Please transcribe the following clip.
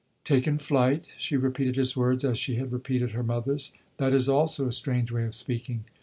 "Taken flight?" She repeated his words as she had repeated her mother's. "That is also a strange way of speaking!"